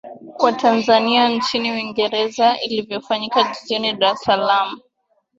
wa Tanzania nchini Uingereza iliyofanyika Jijini Dar es Salaam